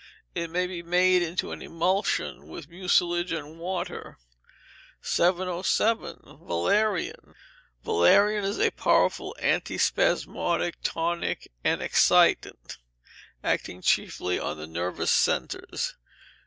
It may be made into an emulsion with mucilage and water. 707. Valerian Valerian is a powerful antispasmodic, tonic, and excitant, acting chiefly on the nervous centres.